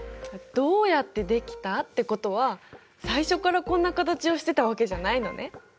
どうやってできたってことは最初からこんな形をしてたわけじゃないのね。